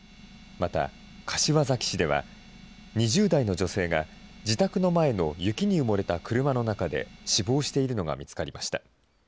また、柏崎市では、２０代の女性が自宅の前の雪に埋もれた車の中で死亡しているのが見つかりました。